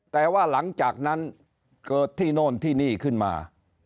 แต่ว่าหลังจากนั้นเกิดที่โน่นที่นี่ขึ้นมา